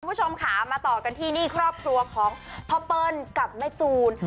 คุณผู้ชมค่ะมาต่อกันที่นี่ครอบครัวของพ่อเปิ้ลกับแม่จูน